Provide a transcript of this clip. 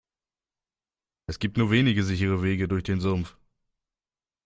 Es gibt nur wenige sichere Wege durch den Sumpf.